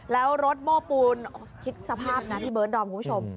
แล้วรถโม้ปูนคิดสภาพนะพี่เบิร์ดดอมคุณผู้ชม